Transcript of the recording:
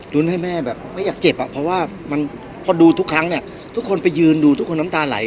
รุ้นให้แม่ไม่อยากเจ็บเพราะว่าพอดูทุกครั้งทุกคนไปยืนดูทุกคนน้ำตาไหล